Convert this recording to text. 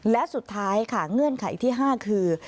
และสุดท้ายค่ะเงื่อนไขที่๕คือ